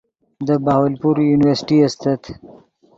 دے بہاولپور یو یونیورسٹی استت